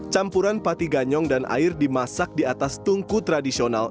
campuran pati ganyong dan air dimasak di atas tungku tradisional